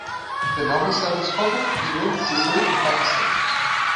The novel is set in Scotland, England, Sicily and Pakistan.